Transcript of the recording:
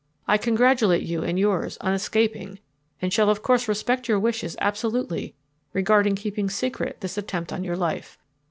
I congratulate you and yours on escaping and shall of course respect your wishes absolutely regarding keeping secret this attempt on your life.